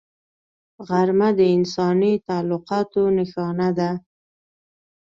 غرمه د انساني تعلقاتو نښانه ده